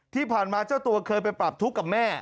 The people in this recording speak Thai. ที่ผ่านมาเจ้าตัวเคยไปปรับทุกข์กับแม่